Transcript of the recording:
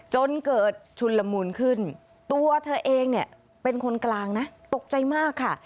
จนเกิดชุนละมุนขึ้นตัวเธอเองเนี่ยเป็นคนกลางนะตกใจมากค่ะ